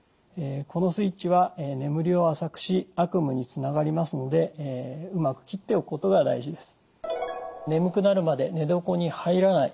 このスイッチは眠りを浅くし悪夢につながりますのでうまくきっておくことが大事です。